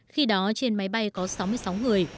khi đó trên máy bay có sáu mươi sáu người